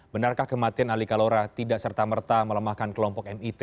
benarkah kematian ali kalora tidak serta merta melemahkan kelompok mit